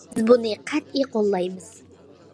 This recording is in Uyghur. بىز بۇنى قەتئىي قوللايمىز.